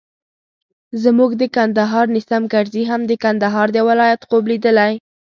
زموږ د کندهار نیسم کرزي هم د کندهار د ولایت خوب لیدلی.